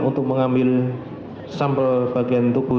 untuk mengambil sampel bagian tubuh